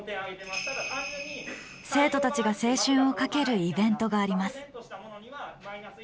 生徒たちが青春をかけるイベントがあります。